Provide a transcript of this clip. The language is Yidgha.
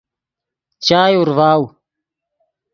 چائے اورڤاؤ